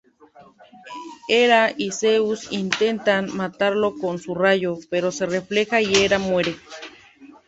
Hera y Zeus intentan matarlo con su rayo, pero se refleja y Hera muere.